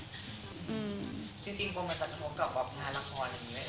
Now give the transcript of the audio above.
จริงก็มันจะตกลงกับงานละครอย่างเนี่ย